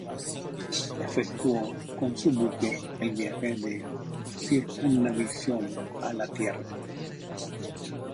Efectuó con su buque el viaje de circunnavegación a la tierra.